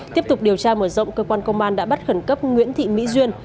tiếp tục điều tra mở rộng cơ quan công an đã bắt khẩn cấp nguyễn thị mỹ duyên